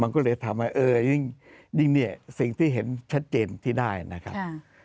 มันก็เลยทำให้เออยิ่งเนี่ยสิ่งที่เห็นชัดเจนที่ได้นะครับ